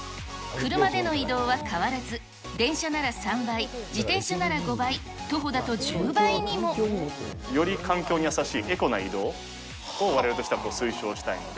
車での移動は変わらず、電車なら３倍、自転車なら５倍、徒歩だと１０倍にも。より環境に優しい、エコな移動をわれわれとしては推奨したいので。